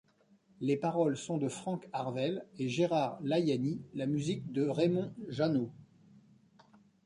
Les paroles sont de Franck Harvel et Gérard Layani, la musique de Raymond Jeannot.